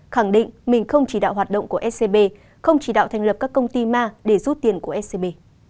khẳng định mình không chỉ đạo hoạt động của scb không chỉ đạo thành lập các công ty ma để rút tiền của scb